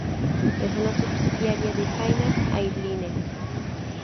Es una subsidiaria de Hainan Airlines.